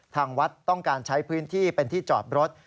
ทางวัดต้องการใช้พื้นที่เป็นที่จอดรถ